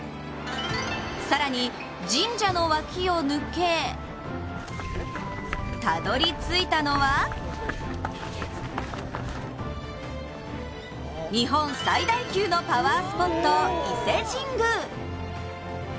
更に、神社の脇を抜けたどり着いたのは日本最大級のパワースポット・伊勢神宮。